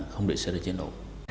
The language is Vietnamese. không để xe đầy cháy nổ